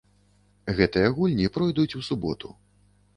Гэтыя гульні пройдуць у суботу.